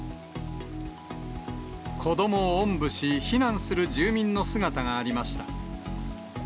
子どもをおんぶし、避難する住民の姿がありました。